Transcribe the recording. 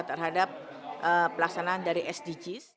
terhadap pelaksanaan dari sdgs